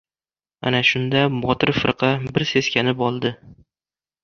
Ana shunda, Botir firqa bir seskanib oldi.